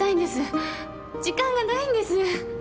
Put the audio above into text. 時間がないんです。